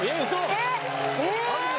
えっ！